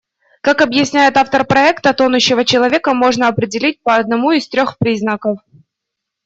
Как объясняет автор проекта, тонущего человека можно определить по одному из трёх признаков.